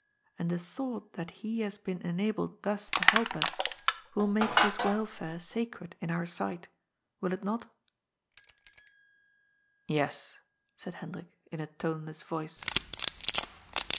And the thought that he has been enabled thus to help us will make his welfare sacred in our sight ; will it not?'' Yes," said Hendrik in a toneless voice.